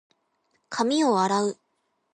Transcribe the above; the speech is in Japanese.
髪を洗う。